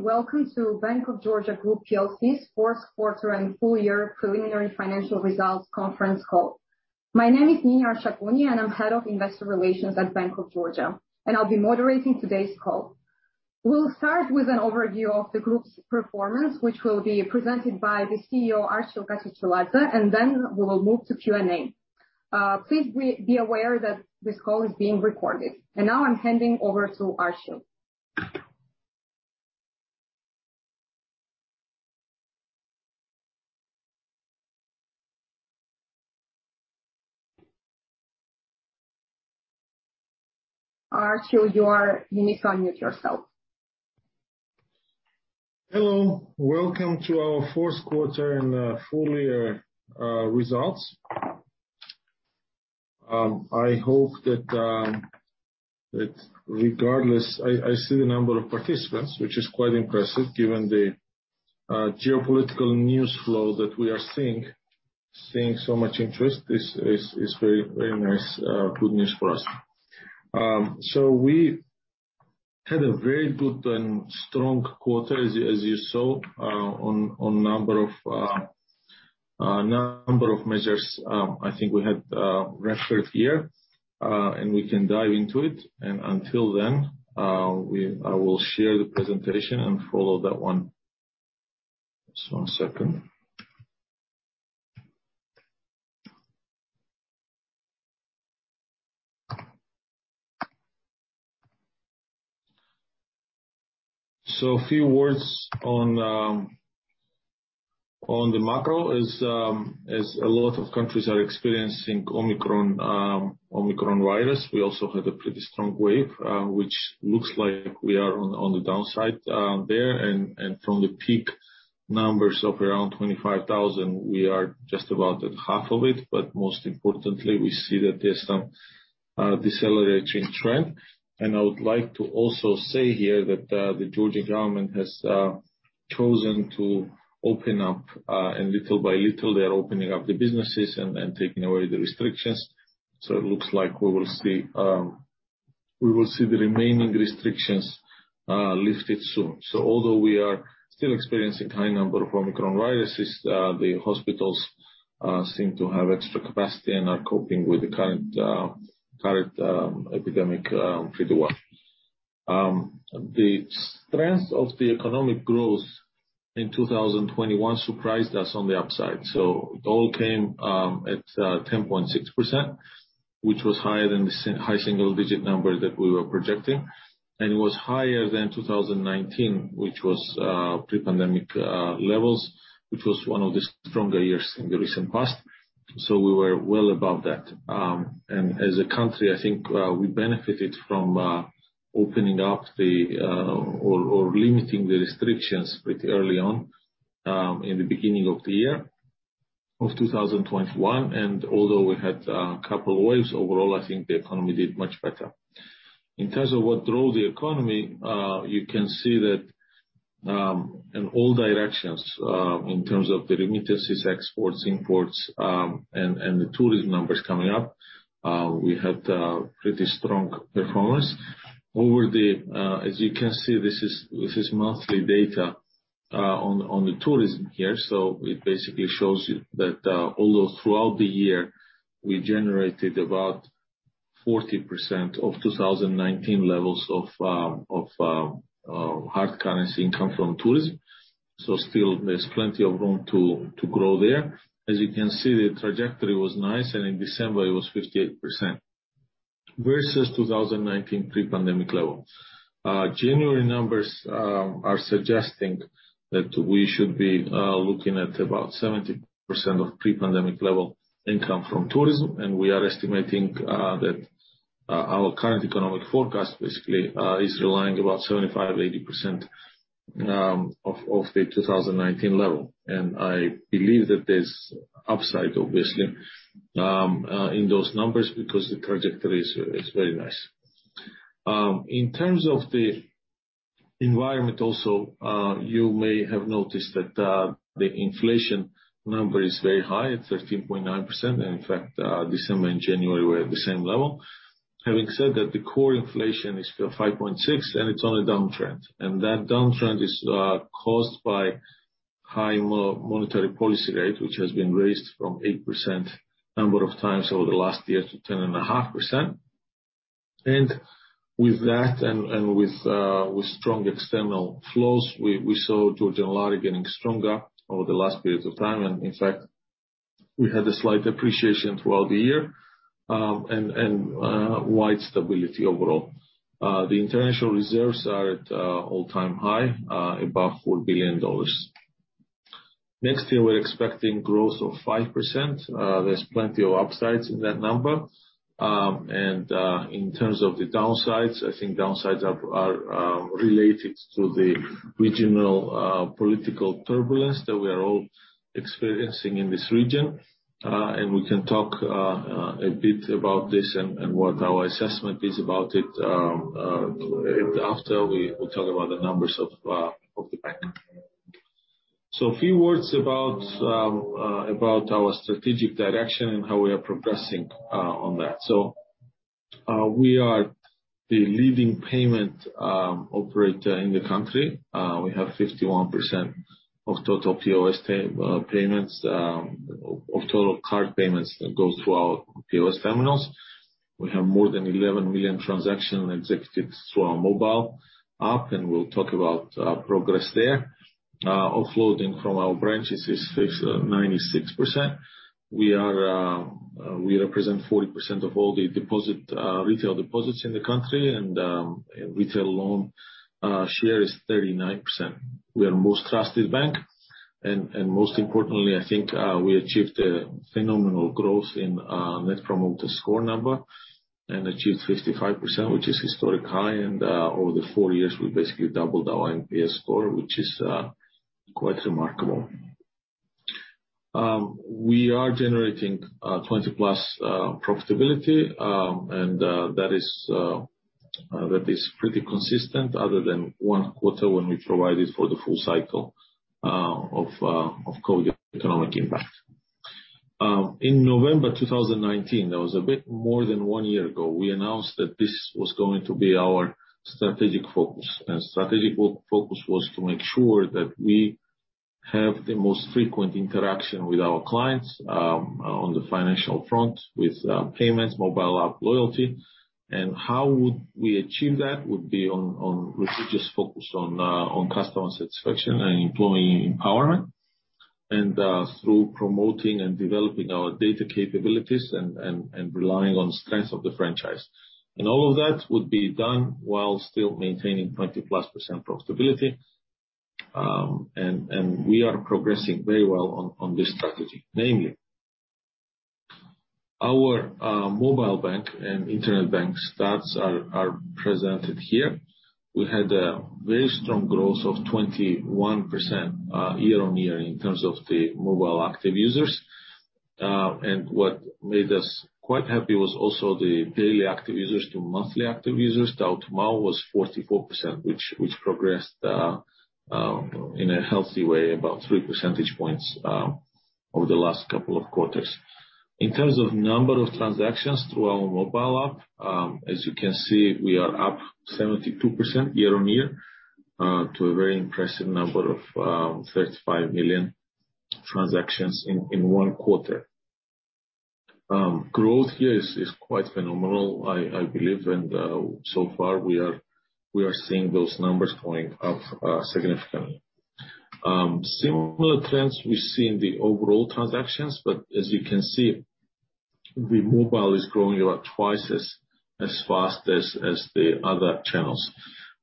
Hello, and welcome to Bank of Georgia Group PLC's fourth quarter and full year preliminary financial results conference call. My name is Nini Arshakuni, and I'm Head of Investor Relations at Bank of Georgia, and I'll be moderating today's call. We'll start with an overview of the group's performance, which will be presented by the CEO, Archil Gachechiladze, and then we will move to Q&A. Please be aware that this call is being recorded. Now I'm handing over to Archil. Archil, you need to unmute yourself. Hello. Welcome to our fourth quarter and full year results. I hope that regardless I see the number of participants, which is quite impressive given the geopolitical news flow that we are seeing. Seeing so much interest is very, very nice good news for us. We had a very good and strong quarter, as you saw, on number of measures. I think we had a record year and we can dive into it. Until then, I will share the presentation and follow that one. Just one second. A few words on the macro. A lot of countries are experiencing Omicron virus. We also had a pretty strong wave, which looks like we are on the downside there. From the peak numbers of around 25,000, we are just about at half of it. Most importantly, we see that there's some decelerating trend. I would like to also say here that the Georgian government has chosen to open up, and little by little they're opening up the businesses and taking away the restrictions. It looks like we will see the remaining restrictions lifted soon. Although we are still experiencing high number of Omicron viruses, the hospitals seem to have extra capacity and are coping with the current epidemic pretty well. The strength of the economic growth in 2021 surprised us on the upside. It all came at 10.6%, which was higher than the high single digit number that we were projecting. It was higher than 2019, which was pre-pandemic levels, which was one of the stronger years in the recent past. We were well above that. As a country, I think we benefited from opening up the or limiting the restrictions pretty early on in the beginning of the year of 2021. Although we had a couple waves, overall, I think the economy did much better. In terms of what drove the economy, you can see that, in all directions, in terms of the remittances, exports, imports, and the tourism numbers coming up, we had pretty strong performance. As you can see, this is monthly data on the tourism here. It basically shows you that, although throughout the year we generated about 40% of 2019 levels of hard currency income from tourism. Still there's plenty of room to grow there. As you can see, the trajectory was nice, and in December it was 58% versus 2019 pre-pandemic level. January numbers are suggesting that we should be looking at about 70% of pre-pandemic level income from tourism, and we are estimating that our current economic forecast basically is relying about 75%-80% of the 2019 level. I believe that there's upside obviously in those numbers because the trajectory is very nice. In terms of the environment also, you may have noticed that the inflation number is very high at 13.9%. In fact, December and January were at the same level. Having said that, the core inflation is still 5.6%, and it's on a downtrend. That downtrend is caused by high monetary policy rate, which has been raised from 8% a number of times over the last year to 10.5%. With that and with strong external flows, we saw Georgian lari getting stronger over the last period of time. In fact, we had a slight depreciation throughout the year, and wide stability overall. The international reserves are at all-time high above $4 billion. Next year, we're expecting growth of 5%. There's plenty of upsides in that number. In terms of the downsides, I think downsides are related to the regional political turbulence that we are all experiencing in this region. We can talk a bit about this and what our assessment is about it after we talk about the numbers. A few words about our strategic direction and how we are progressing on that. We are the leading payment operator in the country. We have 51% of total POS terminal payments. Of total card payments goes through our POS terminals. We have more than 11 million transaction executions through our mobile app, and we'll talk about our progress there. Offloading from our branches is 96%. We represent 40% of all the retail deposits in the country, and retail loan share is 39%. We are most trusted bank, and most importantly, I think, we achieved a phenomenal growth in net promoter score number and achieved 55%, which is historic high. Over the four years, we basically doubled our NPS score, which is quite remarkable. We are generating 20+ profitability, and that is pretty consistent other than one quarter when we provided for the full cycle of COVID economic impact. In November 2019, that was a bit more than one year ago, we announced that this was going to be our strategic focus. Strategic focus was to make sure that we have the most frequent interaction with our clients on the financial front with payments, mobile app loyalty. How would we achieve that would be on which is focused on customer satisfaction and employee empowerment, and through promoting and developing our data capabilities and relying on strengths of the franchise. All of that would be done while still maintaining 20%+ profitability. We are progressing very well on this strategy. Namely, our mobile bank and internet bank stats are presented here. We had a very strong growth of 21% year-on-year in terms of the mobile active users. What made us quite happy was also the daily active users to monthly active users, DAU to MAU was 44%, which progressed in a healthy way, about three percentage points, over the last couple of quarters. In terms of number of transactions through our mobile app, as you can see, we are up 72% year-on-year to a very impressive number of 35 million transactions in one quarter. Growth here is quite phenomenal, I believe, and so far we are seeing those numbers going up significantly. Similar trends we see in the overall transactions, but as you can see, the mobile is growing about twice as fast as the other channels.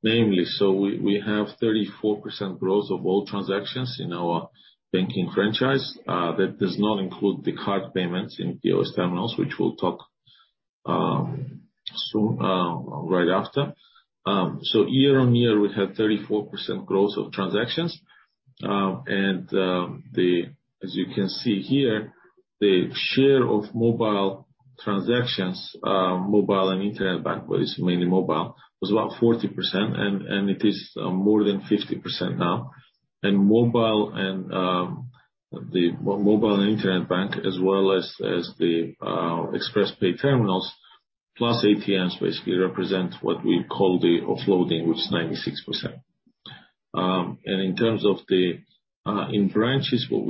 Namely, so we have 34% growth of all transactions in our banking franchise. That does not include the card payments in POS terminals, which we'll talk soon, right after. Year-on-year, we have 34% growth of transactions, and the... As you can see here, the share of mobile transactions, mobile and internet bank, but it's mainly mobile, was about 40% and it is more than 50% now. Mobile and the mobile and internet bank, as well as the Express Pay terminals plus ATMs basically represent what we call the offloading, which is 96%. In terms of the in branches, what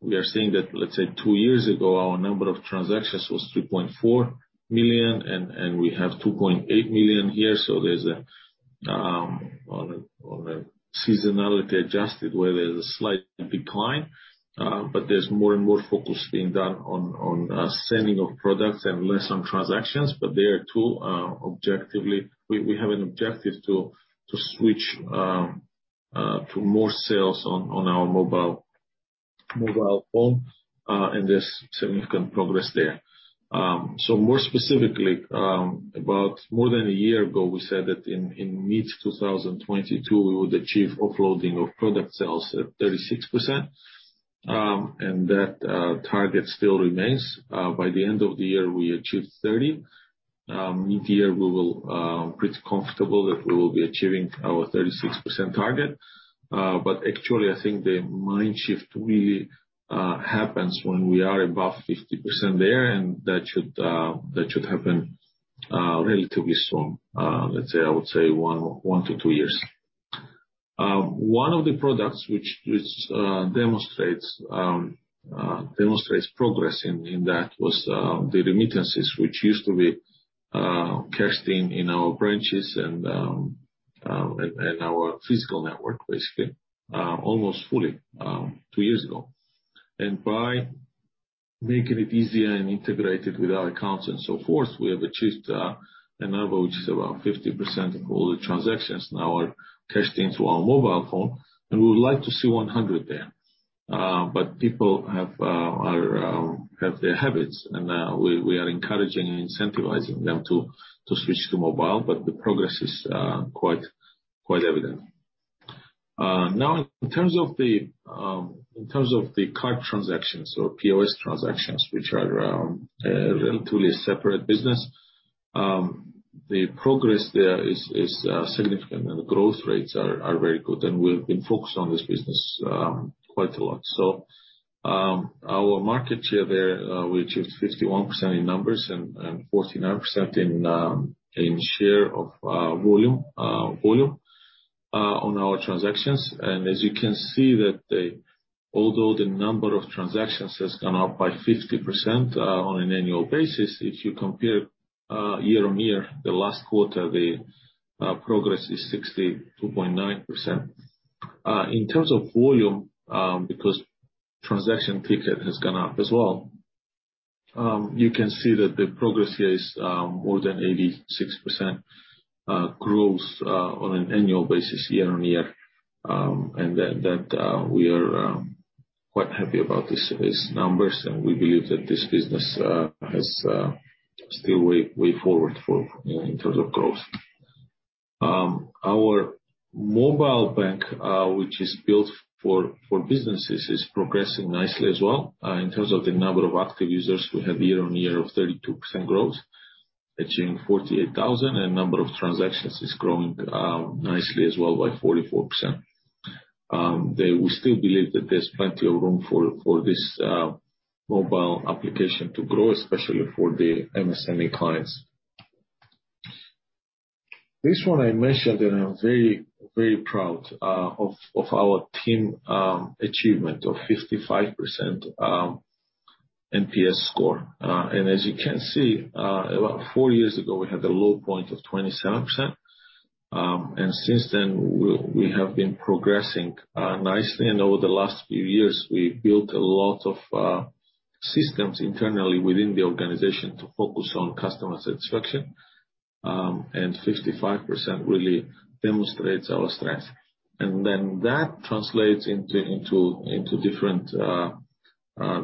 we are seeing that, let's say two years ago, our number of transactions was 3.4 million and we have 2.8 million here. There's a on a seasonality adjusted where there's a slight decline, but there's more and more focus being done on selling of products and less on transactions. They are true objectively. We have an objective to switch to more sales on our mobile phone, and there's significant progress there. More specifically, about more than a year ago, we said that in mid-2022, we would achieve offloading of product sales at 36%, and that target still remains. By the end of the year we achieved 30%. Mid-year we will be pretty comfortable that we will be achieving our 36% target. Actually I think the mind shift really happens when we are above 50% there. That should happen relatively soon. Let's say, I would say 1-2 years. One of the products which demonstrates progress in that was the remittances, which used to be cashed in our branches and our physical network, basically, almost fully two years ago. By making it easier and integrated with our accounts and so forth, we have achieved a number which is about 50% of all the transactions now are cashed into our mobile phone, and we would like to see 100 there. People have their habits, and we are encouraging and incentivizing them to switch to mobile. The progress is quite evident. Now in terms of the card transactions or POS transactions, which are relatively separate business. The progress there is significant, and the growth rates are very good. We've been focused on this business quite a lot. Our market share there, we achieved 51% in numbers and 49% in share of volume on our transactions. As you can see, although the number of transactions has gone up by 50% on an annual basis, if you compare year-on-year, the last quarter the progress is 62.9%. In terms of volume, because transaction ticket has gone up as well, you can see that the progress here is more than 86% growth on an annual basis year-on-year, and that we are quite happy about this, these numbers. We believe that this business has still way forward for, you know, in terms of growth. Our mobile bank, which is built for businesses, is progressing nicely as well. In terms of the number of active users, we have year-on-year of 32% growth, achieving 48,000, and number of transactions is growing nicely as well by 44%. We still believe that there's plenty of room for this mobile application to grow, especially for the MSME clients. This one I mentioned, and I'm very, very proud of our team achievement of 55% NPS score. As you can see, about four years ago, we had a low point of 27%. Since then, we have been progressing nicely. Over the last few years, we've built a lot of systems internally within the organization to focus on customer satisfaction, and 55% really demonstrates our strength. Then that translates into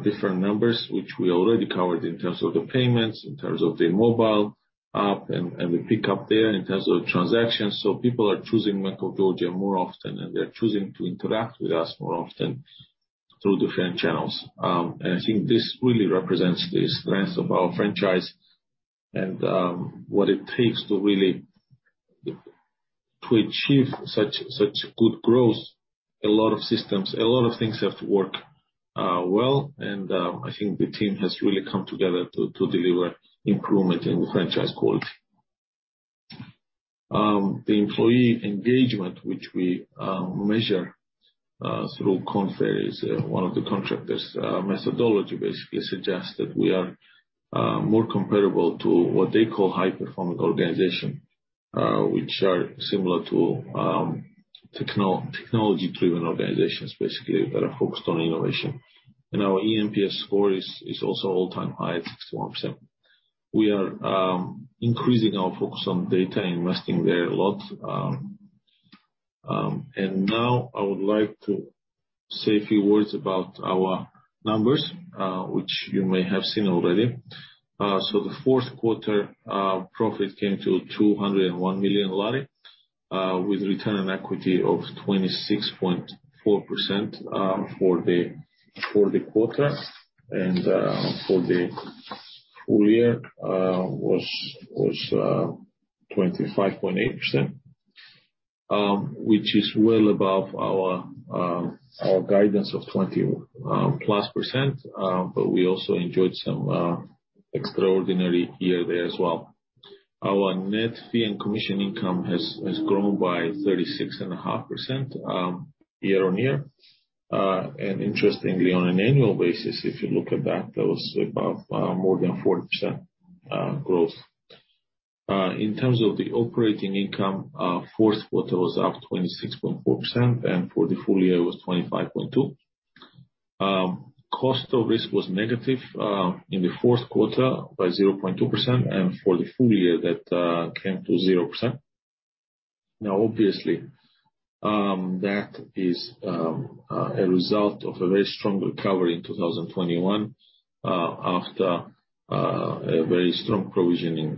different numbers, which we already covered in terms of the payments, in terms of the mobile app, and we pick up there in terms of transactions. People are choosing Bank of Georgia more often, and they're choosing to interact with us more often through different channels. I think this really represents the strength of our franchise and what it takes to really achieve such good growth. A lot of systems, a lot of things have to work well, and I think the team has really come together to deliver improvement in the franchise quality. The employee engagement, which we measure through Kincentric's methodology basically suggests that we are more comparable to what they call high-performing organizations, which are similar to technology-driven organizations, basically, that are focused on innovation. Our eNPS score is also all-time high at 61%. We are increasing our focus on data, investing there a lot. Now I would like to say a few words about our numbers, which you may have seen already. The fourth quarter profit came to GEL 201 million, with return on equity of 26.4% for the quarter. For the full year was 25.8%, which is well above our guidance of 20%+, but we also enjoyed some extraordinary year there as well. Our net fee and commission income has grown by 36.5% year-on-year. Interestingly, on an annual basis, if you look at that was about more than 40% growth. In terms of the operating income, fourth quarter was up 26.4%, and for the full year was 25.2%. Cost of risk was negative in the fourth quarter by 0.2%, and for the full year that came to 0%. Now obviously, that is a result of a very strong recovery in 2021 after a very strong provisioning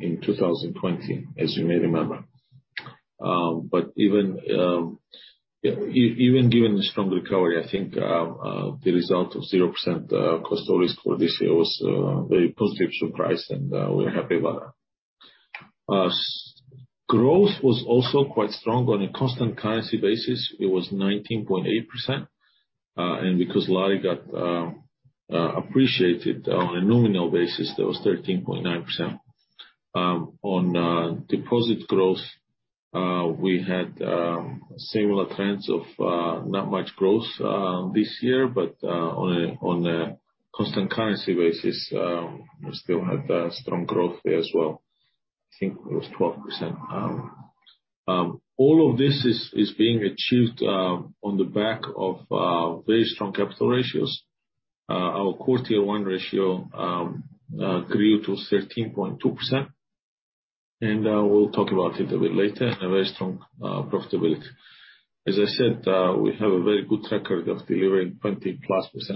in 2020, as you may remember. Even given the strong recovery, I think the result of 0% cost of risk for this year was a very positive surprise, and we're happy about that. SME growth was also quite strong. On a constant currency basis, it was 19.8%. Because lari got appreciated on a nominal basis, that was 13.9%. On deposit growth, we had similar trends of not much growth this year. On a constant currency basis, we still had strong growth there as well. I think it was 12%. All of this is being achieved on the back of very strong capital ratios. Our Core Tier 1 ratio grew to 13.2%, and we'll talk about it a bit later, and a very strong profitability. As I said, we have a very good record of delivering 20%+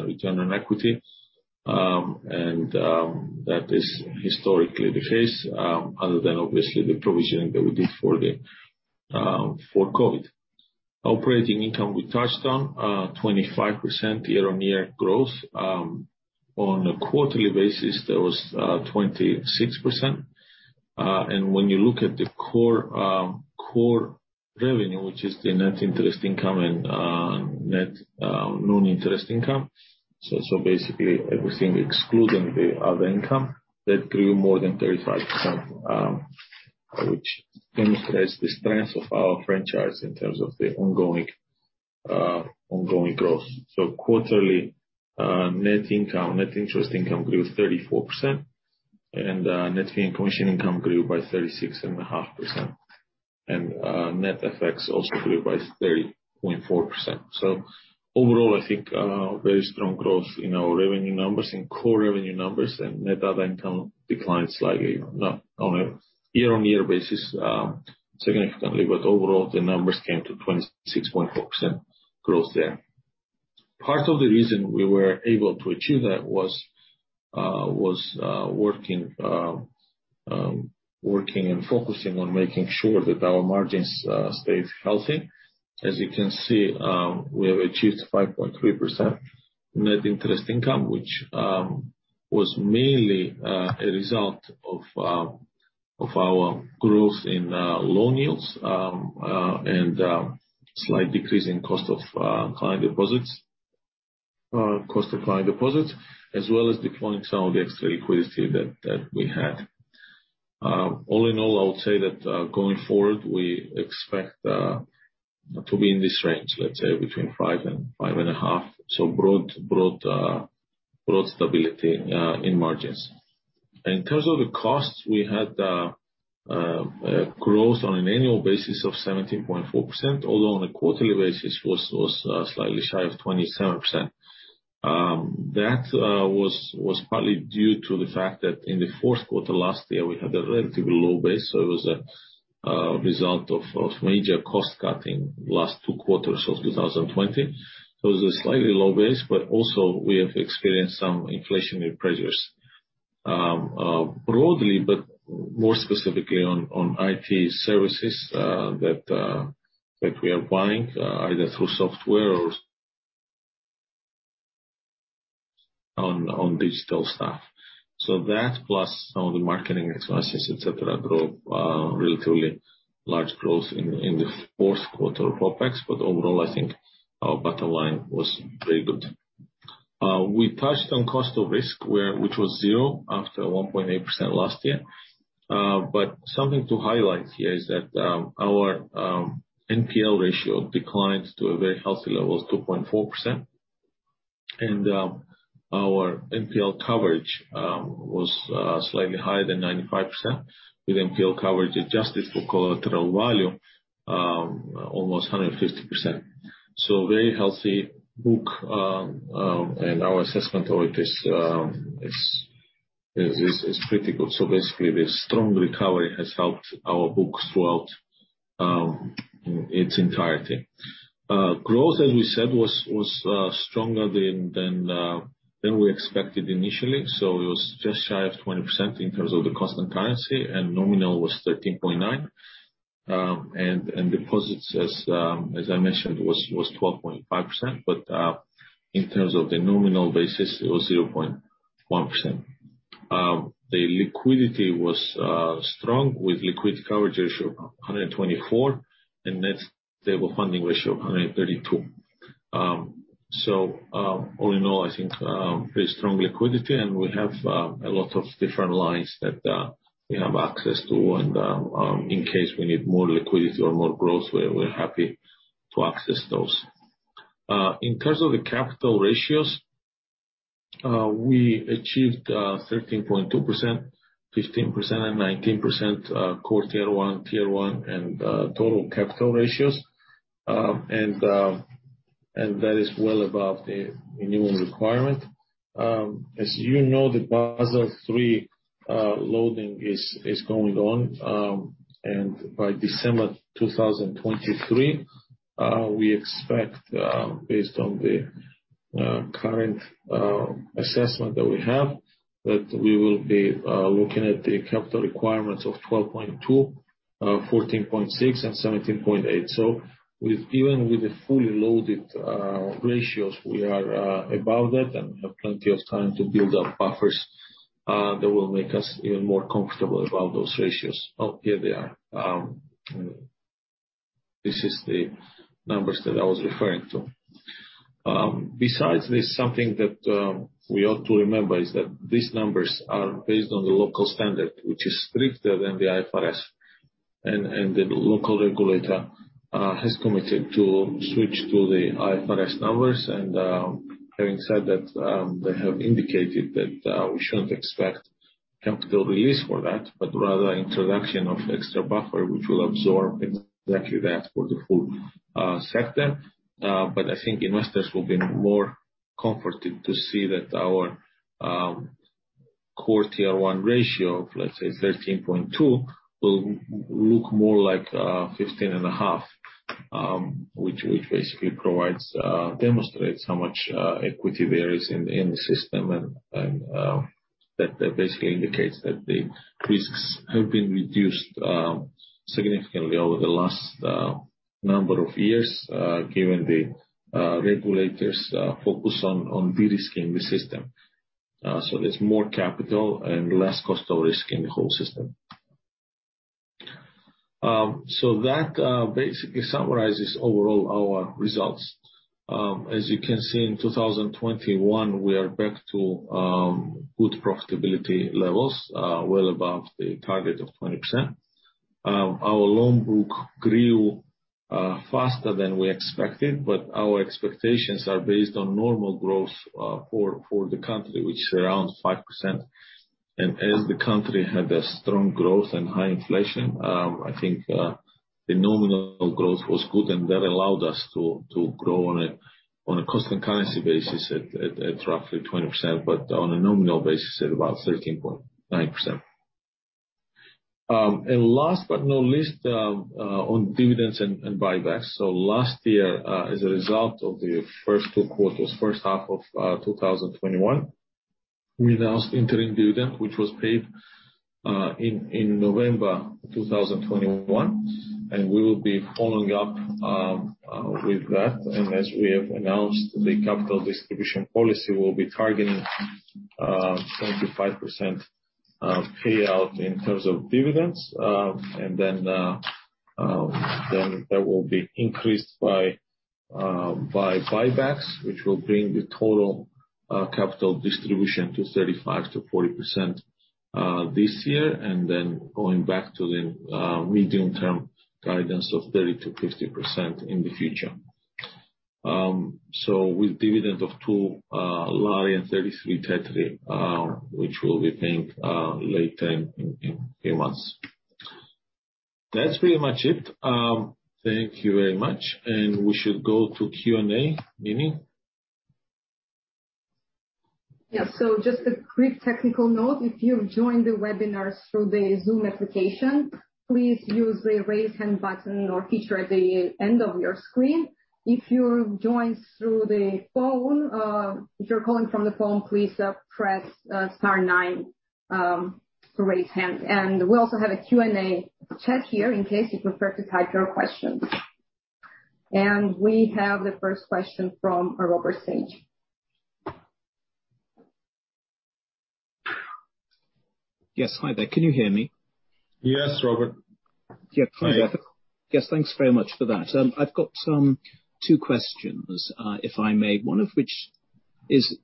return on equity. That is historically the case, other than obviously the provisioning that we did for COVID. Operating income we touched on 25% year-on-year growth. On a quarterly basis, that was 26%. When you look at the core revenue, which is the net interest income and net non-interest income, so basically everything excluding the other income, that grew more than 35%, which demonstrates the strength of our franchise in terms of the ongoing growth. Quarterly, net interest income grew 34% and net fee and commission income grew by 36.5%. Net FX also grew by 3.4%. Overall, I think very strong growth in our revenue numbers, in core revenue numbers, and net other income declined slightly, not significantly on a year-on-year basis, but overall, the numbers came to 26.4% growth there. Part of the reason we were able to achieve that was working and focusing on making sure that our margins stayed healthy. As you can see, we have achieved 5.3% Net Interest Income, which was mainly a result of our growth in loan yields and slight decrease in cost of client deposits, as well as deploying some of the extra liquidity that we had. All in all, I'll say that going forward, we expect to be in this range, let's say between 5% and 5.5%, so broad stability in margins. In terms of the costs, we had growth on an annual basis of 17.4%, although on a quarterly basis was slightly shy of 27%. That was partly due to the fact that in the fourth quarter last year, we had a relatively low base, so it was a result of major cost cutting last two quarters of 2020. It was a slightly low base, but also we have experienced some inflationary pressures broadly, but more specifically on IT services that we are buying either through software or on digital stuff. That plus some of the marketing expenses, et cetera, relatively large growth in the fourth quarter OpEx. Overall, I think our bottom line was very good. We touched on cost of risk, which was 0% after 1.8% last year. Something to highlight here is that our NPL ratio declined to a very healthy level of 2.4%. Our NPL coverage was slightly higher than 95%, with NPL coverage adjusted for collateral value almost 150%. Very healthy book, and our assessment of it is critical. Basically, the strong recovery has helped our books throughout its entirety. Growth, as we said, was stronger than we expected initially. It was just shy of 20% in terms of the constant currency, and nominal was 13.9%. Deposits, as I mentioned, was 12.5%, but in terms of the nominal basis, it was 0.1%. The liquidity was strong, with Liquidity Coverage Ratio of 124, and Net Stable Funding Ratio of 132. All in all, I think very strong liquidity, and we have a lot of different lines that we have access to, and in case we need more liquidity or more growth, we're happy to access those. In terms of the capital ratios, we achieved 13.2%, 15%, and 19% Core Tier 1, Tier 1, and total capital ratios. That is well above the minimum requirement. As you know, the Basel III loading is going on, and by December 2023, we expect based on the current assessment that we have, that we will be looking at the capital requirements of 12.2%, 14.6%, and 17.8. With even with the fully loaded ratios, we are above that and have plenty of time to build up buffers that will make us even more comfortable about those ratios. Oh, here they are. This is the numbers that I was referring to. Besides this, something that we ought to remember is that these numbers are based on the local standard, which is stricter than the IFRS, and the local regulator has committed to switch to the IFRS numbers. Having said that, they have indicated that we shouldn't expect capital release for that, but rather introduction of extra buffer, which will absorb exactly that for the full sector. I think investors will be more comforted to see that our Core Tier 1 ratio of, let's say, 13.2%, will look more like 15.5%, which basically demonstrates how much equity there is in the system and that basically indicates that the risks have been reduced significantly over the last number of years, given the regulators' focus on de-risking the system. There's more capital and less cost of risk in the whole system. That basically summarizes overall our results. As you can see in 2021, we are back to good profitability levels well above the target of 20%. Our loan book grew faster than we expected, but our expectations are based on normal growth for the country, which is around 5%. As the country had a strong growth and high inflation, I think the nominal growth was good, and that allowed us to grow on a constant currency basis at roughly 20%, but on a nominal basis at about 13.9%. Last but not least, on dividends and buybacks. Last year, as a result of the first two quarters, first half of 2021, we announced interim dividend, which was paid in November 2021, and we will be following up with that. As we have announced, the capital distribution policy will be targeting 25% payout in terms of dividends. Then that will be increased by buybacks, which will bring the total capital distribution to 35%-40% this year, and then going back to the medium-term guidance of 30%-50% in the future. With dividend of GEL 2.33, which will be paying late in a few months. That's pretty much it. Thank you very much. We should go to Q&A. Nini? Yeah. Just a quick technical note. If you've joined the webinar through the Zoom application, please use the Raise Hand button or feature at the end of your screen. If you're calling from the phone, please press star nine to raise hand. We also have a Q&A chat here in case you prefer to type your questions. We have the first question from Robert Sage. Yes. Hi there. Can you hear me? Yes, Robert. Yeah. Hi. Yes, thanks very much for that. I've got two questions, if I may. One of which is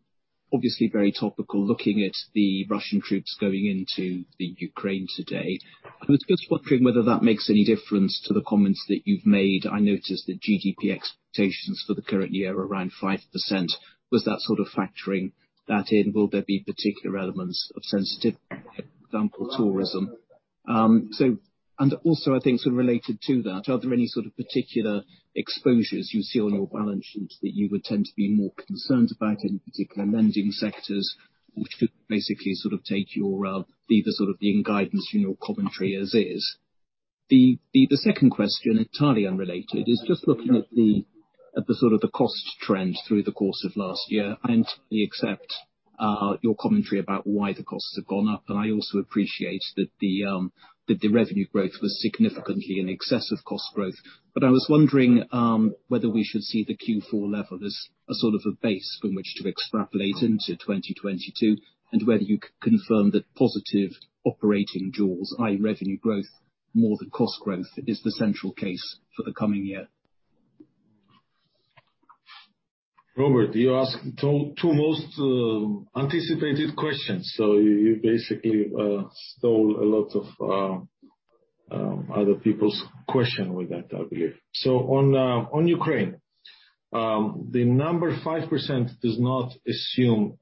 obviously very topical, looking at the Russian troops going into the Ukraine today. I was just wondering whether that makes any difference to the comments that you've made. I noticed the GDP expectations for the current year are around 5%. Was that sort of factoring that in? Will there be particular elements of sensitivity, for example, tourism? I think sort of related to that, are there any sort of particular exposures you see on your balance sheet that you would tend to be more concerned about in particular lending sectors, which could basically sort of take your, either sort of being guidance in your commentary as is? The second question, entirely unrelated, is just looking at the cost trend through the course of last year. I entirely accept your commentary about why the costs have gone up, and I also appreciate that the revenue growth was significantly in excess of cost growth. I was wondering whether we should see the Q4 level as a sort of a base from which to extrapolate into 2022, and whether you confirm that positive operating jaws, high revenue growth more than the cost growth, is the central case for the coming year. Robert, you asked two most anticipated questions. You basically stole a lot of other people's question with that, I believe. On Ukraine, the number 5% does not assume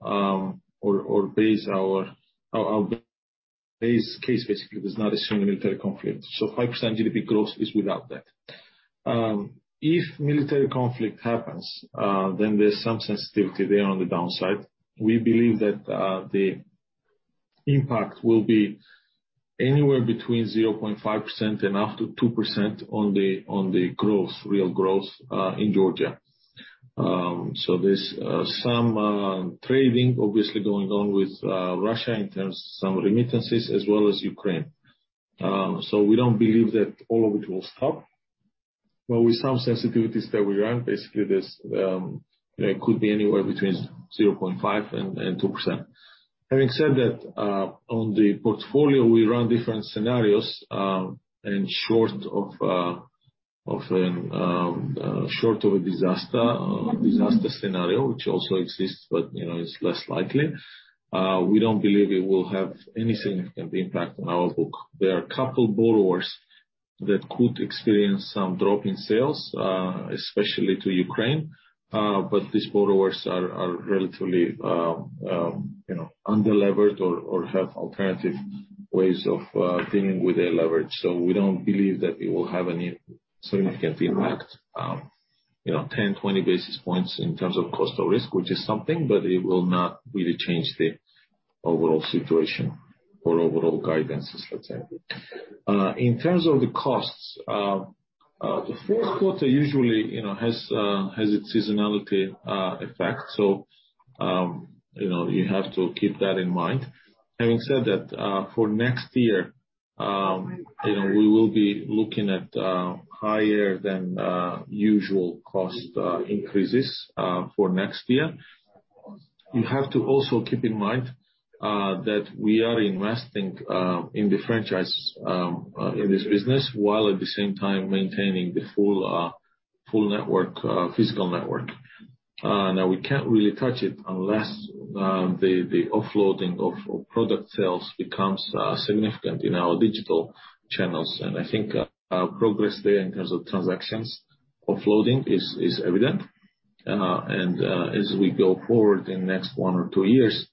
or base our base case basically does not assume a military conflict. 5% GDP growth is without that. If military conflict happens, then there's some sensitivity there on the downside. We believe that the impact will be anywhere between 0.5% and up to 2% on the growth, real growth in Georgia. There's some trading obviously going on with Russia in terms of some remittances as well as Ukraine. We don't believe that all of it will stop, but with some sensitivities that we run, basically this, you know, could be anywhere between 0.5%-2%. Having said that, on the portfolio, we run different scenarios, and short of a disaster scenario, which also exists, but you know, is less likely. We don't believe it will have any significant impact on our book. There are a couple borrowers that could experience some drop in sales, especially to Ukraine, but these borrowers are relatively, you know, underlevered or have alternative ways of dealing with their leverage. We don't believe that it will have any significant impact. You know, 10, 20 basis points in terms of cost of risk, which is something, but it will not really change the overall situation or overall guidances, let's say. In terms of the costs, the fourth quarter usually, you know, has its seasonality effect, so, you know, you have to keep that in mind. Having said that, for next year, you know, we will be looking at higher than usual cost increases for next year. You have to also keep in mind that we are investing in the franchise in this business, while at the same time maintaining the full network, physical network. Now we can't really touch it unless the offloading of product sales becomes significant in our digital channels. I think our progress there in terms of transactions offloading is evident. As we go forward in the next one or two years,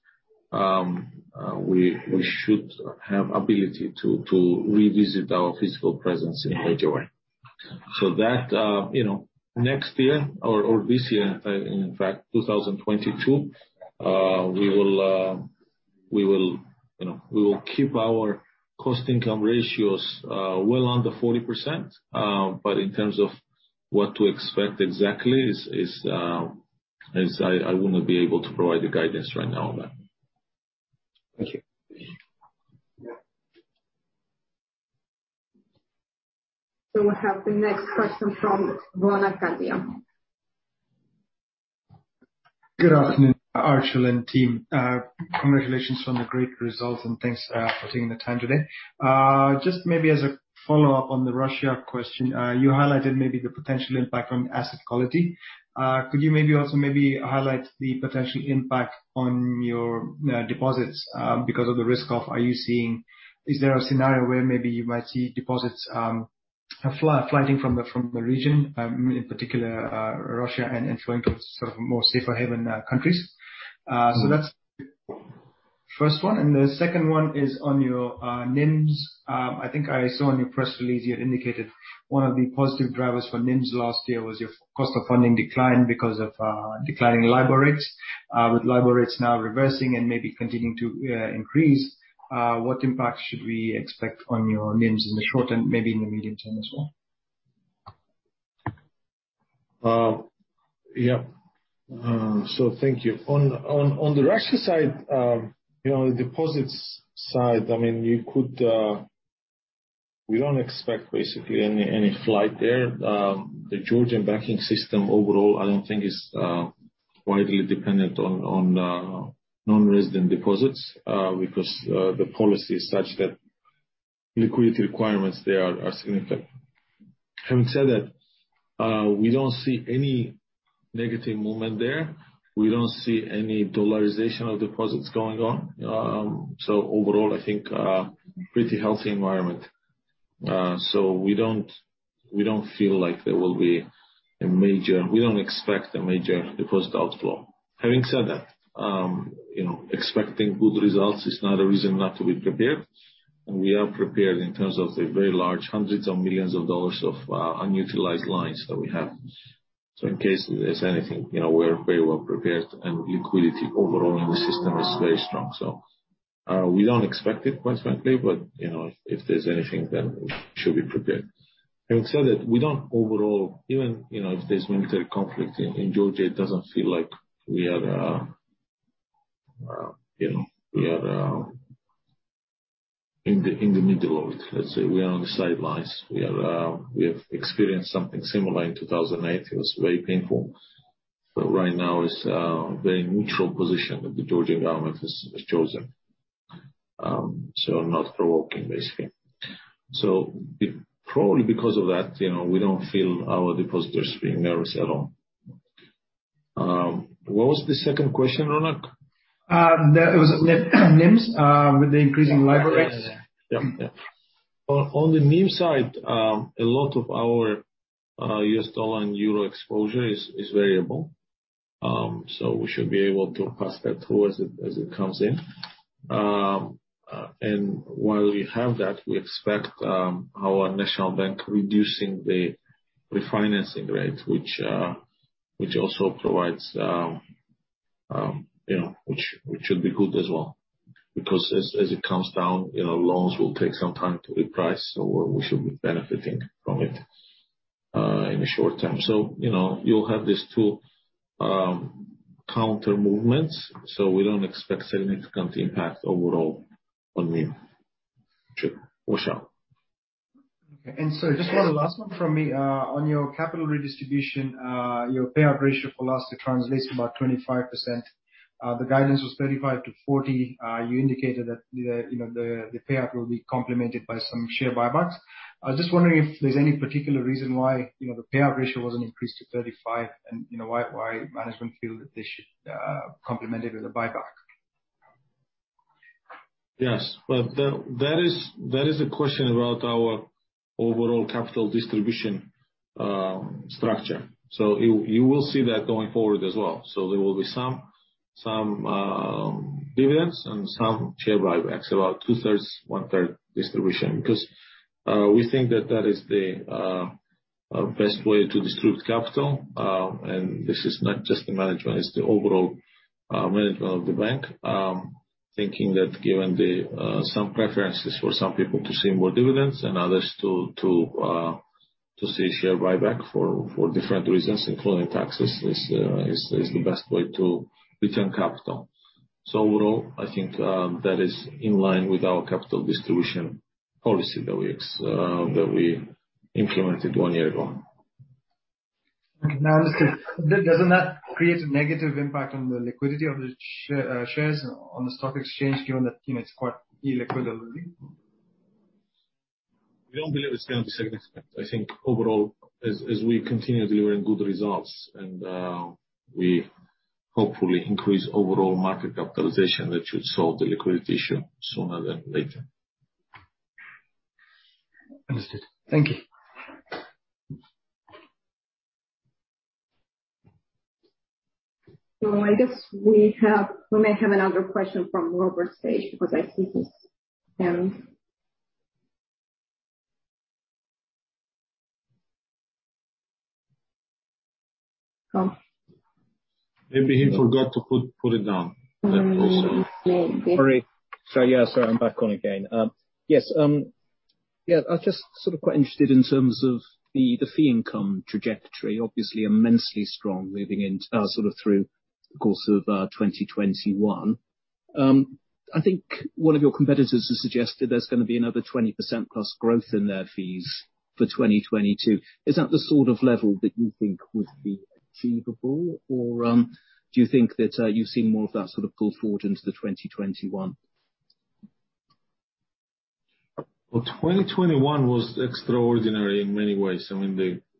we should have ability to revisit our physical presence in a major way. You know, next year or this year, in fact 2022, we will keep our cost-to-income ratios well under 40%. In terms of what to expect exactly, I wouldn't be able to provide the guidance right now on that. Thank you. We have the next question from Ronak Gadhia. Good afternoon, Archil and team. Congratulations on the great results, and thanks for taking the time today. Just maybe as a follow-up on the Russia question, you highlighted maybe the potential impact on asset quality. Could you maybe also highlight the potential impact on your deposits because of the risk. Is there a scenario where maybe you might see deposits flighting from the region, in particular, Russia, and flowing to sort of more safer haven countries? That's first one. The second one is on your NIMs. I think I saw in your press release you had indicated one of the positive drivers for NIMs last year was your cost of funding decline because of declining LIBOR rates. With LIBOR rates now reversing and maybe continuing to increase, what impact should we expect on your NIMs in the short term, maybe in the medium term as well? Yeah. Thank you. On the Russia side, you know, the deposits side. We don't expect basically any flight there. The Georgian banking system overall, I don't think is widely dependent on non-resident deposits, because the policy is such that liquidity requirements there are significant. Having said that, we don't see any negative movement there. We don't see any dollarization of deposits going on. Overall, I think pretty healthy environment. We don't expect a major deposit outflow. Having said that, you know, expecting good results is not a reason not to be prepared, and we are prepared in terms of the very large hundreds of millions of dollars of unutilized lines that we have. In case there's anything, you know, we're very well prepared, and liquidity overall in the system is very strong. We don't expect it, quite frankly, but, you know, if there's anything, then we should be prepared. Having said that, even if there's military conflict in Georgia, it doesn't feel like we are in the middle of it. Let's say we are on the sidelines. We have experienced something similar in 2008. It was very painful. Right now it's a very neutral position that the Georgian government has chosen. Not provoking basically. Probably because of that, you know, we don't feel our depositors being nervous at all. What was the second question, Ronak? That was NIMs, with the increasing LIBOR rates. On the NIMs side, a lot of our U.S. dollar and euro exposure is variable. So we should be able to pass that through as it comes in. And while we have that, we expect our national bank reducing the refinancing rate, which also provides, you know, which should be good as well. Because as it comes down, you know, loans will take some time to reprice, so we should be benefiting from it in the short term. So, you know, you'll have these two countermovements. So we don't expect significant impact overall on NIM. Sure. For sure. Okay. Just one last one from me. On your capital redistribution, your payout ratio for last year translates to about 25%. The guidance was 35%-40%. You indicated that you know, the payout will be complemented by some share buybacks. I was just wondering if there's any particular reason why, you know, the payout ratio wasn't increased to 35% and, you know, why management feel that they should complement it with a buyback. Yes. Well, that is a question about our overall capital distribution structure. You will see that going forward as well. There will be some dividends and some share buybacks, about 2/3, 1/3 distribution. Because we think that is the best way to distribute capital and this is not just the management, it's the overall management of the bank thinking that given some preferences for some people to see more dividends and others to see share buyback for different reasons, including taxes, is the best way to return capital. Overall, I think that is in line with our capital distribution policy that we implemented one year ago. Okay. Now, listen, doesn't that create a negative impact on the liquidity of the shares on the stock exchange given that, you know, it's quite illiquid already? We don't believe it's gonna be significant. I think overall, as we continue delivering good results and we hopefully increase overall market capitalization, that should solve the liquidity issue sooner than later. Understood. Thank you. I guess we have. We may have another question from Robert Sage, because I think his hand. Oh. Maybe he forgot to put it down. That can also be. Yeah. I'm just sort of quite interested in terms of the fee income trajectory, obviously immensely strong moving into, sort of through the course of 2021. I think one of your competitors has suggested there's gonna be another 20%+ growth in their fees for 2022. Is that the sort of level that you think would be achievable? Or, do you think that you've seen more of that sort of pull forward into the 2021? Well, 2021 was extraordinary in many ways. I mean,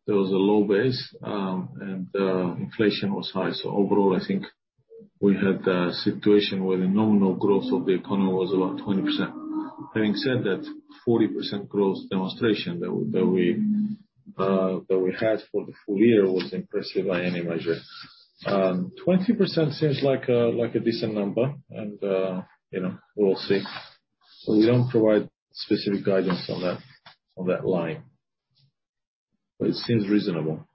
there was a low base, and inflation was high. Overall, I think we had a situation where the nominal growth of the economy was about 20%. Having said that, 40% growth demonstration that we had for the full year was impressive by any measure. 20% seems like a, like a decent number, and, you know, we'll see. We don't provide specific guidance on that, on that line, but it seems reasonable.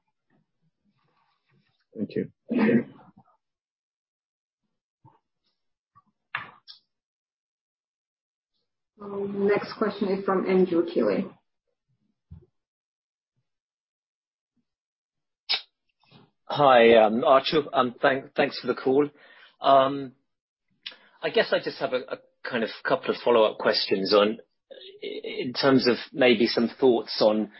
Thank you. Okay. Next question is from Andrew Keeley. Hi, Archil. Thanks for the call. I guess I just have a kind of couple of follow-up questions on, in terms of maybe some thoughts on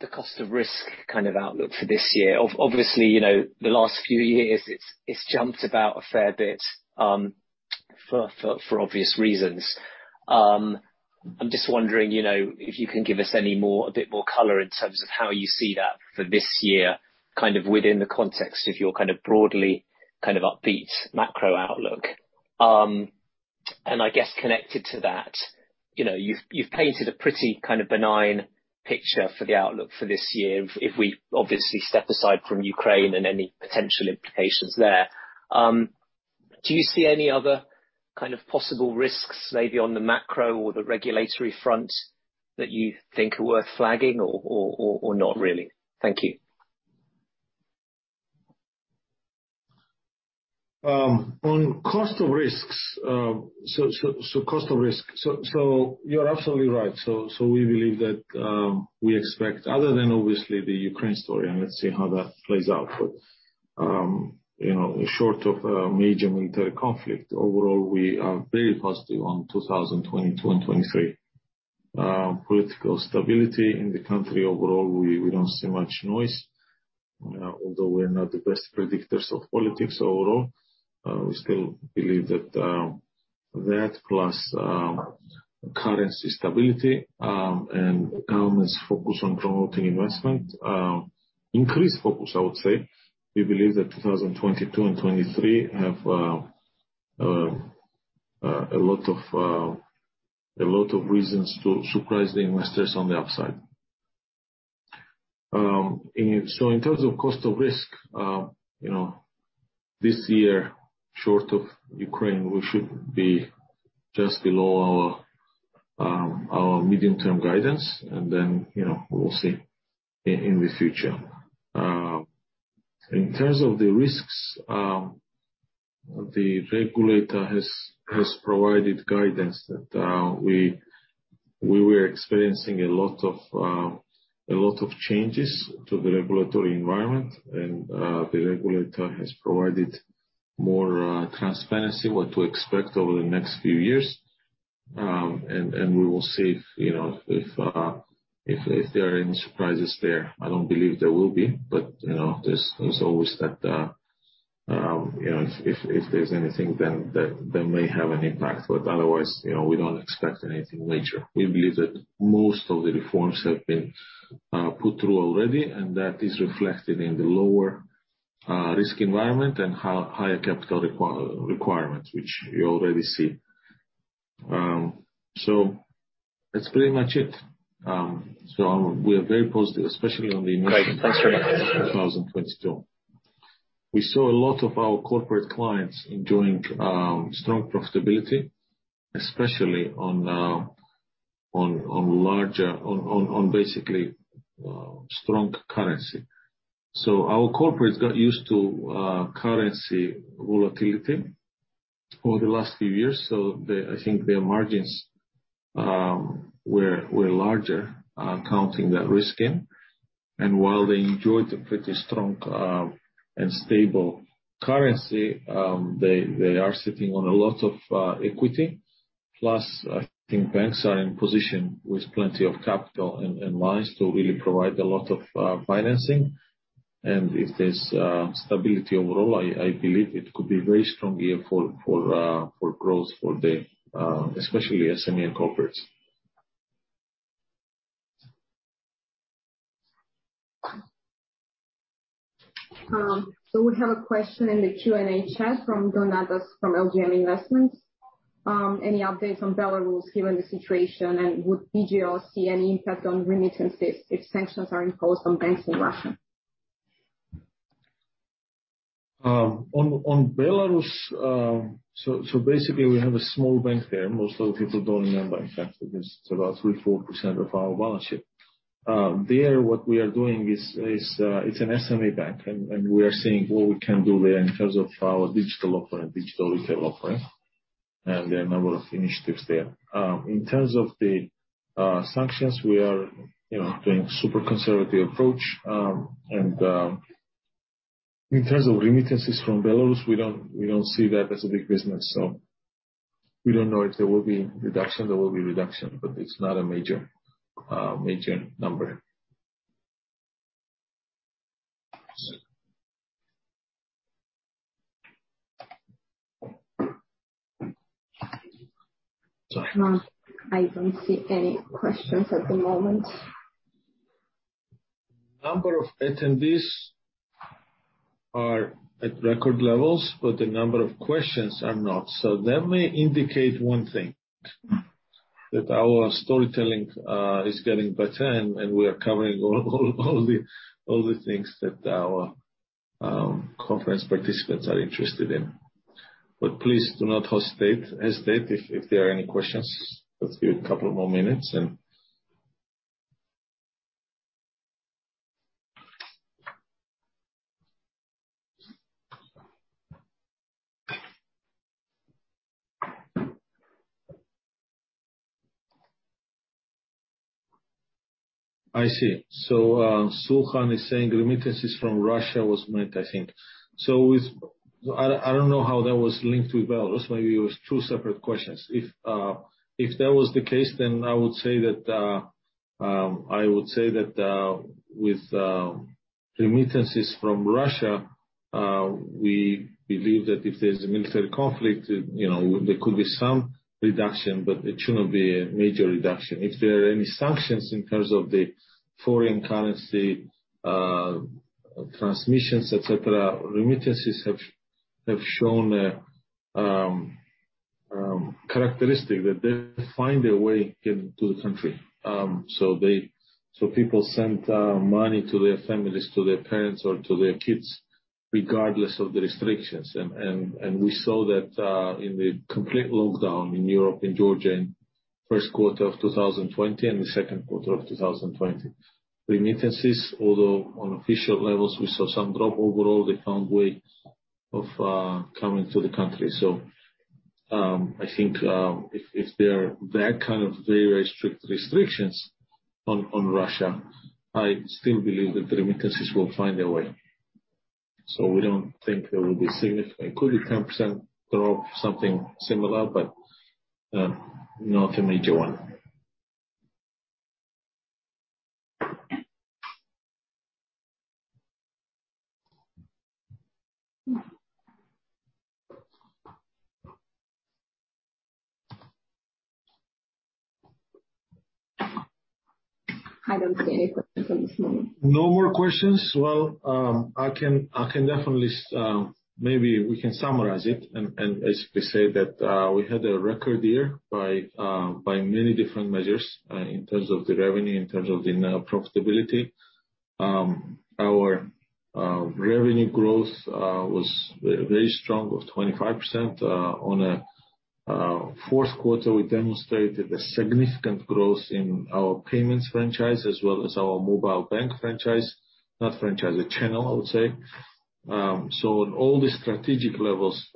the cost of risk kind of outlook for this year. Obviously, you know, the last few years it's jumped about a fair bit for obvious reasons. I'm just wondering, you know, if you can give us any more, a bit more color in terms of how you see that for this year, kind of within the context of your kind of broadly kind of upbeat macro outlook. I guess connected to that, you know, you've painted a pretty kind of benign picture for the outlook for this year if we obviously step aside from Ukraine and any potential implications there. Do you see any other kind of possible risks maybe on the macro or the regulatory front that you think are worth flagging or not really? Thank you. On cost of risk. You're absolutely right. We believe that we expect other than obviously the Ukraine story, and let's see how that plays out. You know, short of a major military conflict, overall we are very positive on 2022 and 2023. Political stability in the country overall, we don't see much noise. Although we're not the best predictors of politics overall, we still believe that plus currency stability and government's focus on promoting investment, increased focus, I would say. We believe that 2022 and 2023 have a lot of reasons to surprise the investors on the upside. In terms of cost of risk, you know, this year, short of Ukraine, we should be just below our medium-term guidance and then, you know, we'll see in the future. In terms of the risks, the regulator has provided guidance that we were experiencing a lot of changes to the regulatory environment. The regulator has provided more transparency, what to expect over the next few years. We will see if, you know, if there are any surprises there. I don't believe there will be, but, you know, there's always that, you know, if there's anything then that may have an impact. Otherwise, you know, we don't expect anything major. We believe that most of the reforms have been put through already, and that is reflected in the lower risk environment and higher capital requirements, which we already see. That's pretty much it. We are very positive, especially on the- Great. Thanks very much. 2022. We saw a lot of our corporate clients enjoying strong profitability, especially on basically strong currency. Our corporates got used to currency volatility over the last few years. I think their margins were larger counting that risk in. While they enjoyed a pretty strong and stable currency, they are sitting on a lot of equity. Plus, I think banks are in position with plenty of capital and lines to really provide a lot of financing. If there's stability overall, I believe it could be very strong year for growth for the especially SME and corporates. We have a question in the Q&A chat from Donatas from LGM Investments. Any updates on Belarus given the situation, and would BOG see any impact on remittances if sanctions are imposed on banks in Russia? On Belarus, basically we have a small bank there. Most people don't remember, in fact, it is about 3%-4% of our balance sheet. What we are doing there is it's an SME bank, and we are seeing what we can do there in terms of our digital offering, digital retail offering, and there are a number of initiatives there. In terms of the sanctions, we are, you know, doing a super conservative approach. In terms of remittances from Belarus, we don't see that as a big business, so we don't know if there will be a reduction. There will be a reduction, but it's not a major number. I don't see any questions at the moment. Number of attendees are at record levels, but the number of questions are not. That may indicate one thing, that our storytelling is getting better, and we are covering all the things that our conference participants are interested in. Please do not hesitate if there are any questions. Let's give a couple more minutes and I see. Sulkhan is saying remittances from Russia was meant, I think. I don't know how that was linked with Belarus. Maybe it was two separate questions. If that was the case, then I would say that with remittances from Russia, we believe that if there's a military conflict, you know, there could be some reduction, but it shouldn't be a major reduction. If there are any sanctions in terms of the foreign currency, transmissions, et cetera, remittances have shown a characteristic that they find a way get into the country. People send money to their families, to their parents or to their kids, regardless of the restrictions. We saw that in the complete lockdown in Europe, in Georgia, in first quarter of 2020 and the second quarter of 2020. Remittances, although on official levels we saw some drop overall, they found ways of coming to the country. I think if there are that kind of very strict restrictions on Russia, I still believe that the remittances will find a way. We don't think there will be significant. Could be 10% drop, something similar, but not a major one. I don't see any questions at this moment. No more questions? Well, I can definitely maybe we can summarize it and basically say that we had a record year by many different measures in terms of the revenue, in terms of the net profitability. Our revenue growth was very strong with 25%. On a fourth quarter, we demonstrated a significant growth in our payments franchise as well as our mobile bank franchise. Not franchise, a channel I would say. So on all the strategic levels,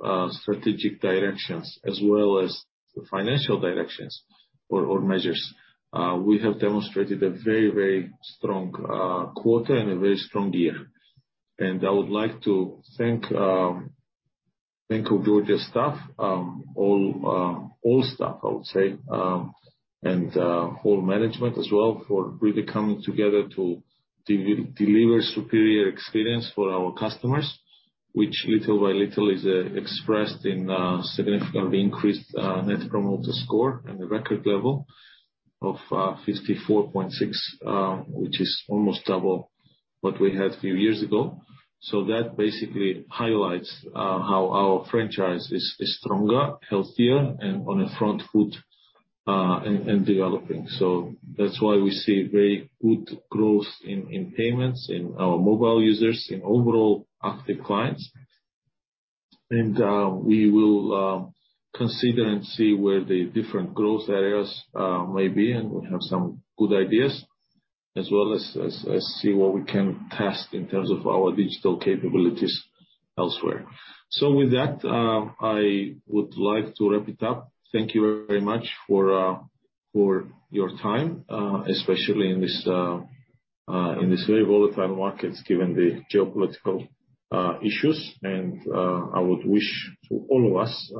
strategic directions as well as the financial directions or measures, we have demonstrated a very strong quarter and a very strong year. I would like to thank our Georgia staff, all staff I would say, and whole management as well for really coming together to deliver superior experience for our customers, which little by little is expressed in significantly increased Net Promoter Score and a record level of 54.6, which is almost double what we had few years ago. That basically highlights how our franchise is stronger, healthier, and on a front foot, and developing. That's why we see very good growth in payments, in our mobile users, in overall active clients. We will consider and see where the different growth areas may be, and we have some good ideas, as well as see what we can test in terms of our digital capabilities elsewhere. With that, I would like to wrap it up. Thank you very much for your time, especially in this very volatile markets, given the geopolitical issues. I would wish to all of us.